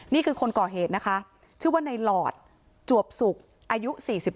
นี่คือคนก่อเหตุนะคะชื่อว่าในหลอดจวบสุกอายุ๔๓